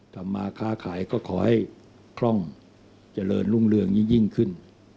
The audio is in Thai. ทำมาค้าขายก็ขอให้คล่องเจริญรุ่งเรืองยิ่งขึ้น